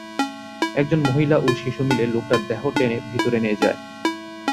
একজন মহিলা ও শিশু মিলে লোকটার দেহ টেনে ভেতরে নিয়ে যায়।